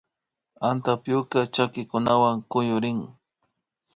Antapyuka chakikunawan kuyurin